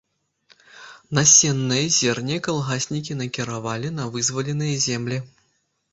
Насеннае зерне калгаснікі накіравалі на вызваленыя зямлі.